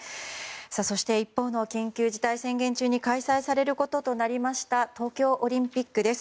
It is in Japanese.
そして、一方の緊急事態宣言中に開催されることとなりました東京オリンピックです。